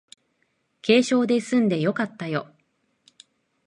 軽傷ですんでよかったよ